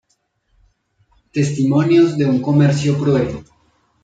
Testimonios de un comercio cruel".